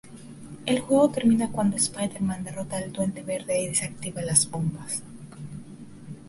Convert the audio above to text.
El juego termina cuándo Spider-Man derrota al Duende Verde y desactiva las bombas.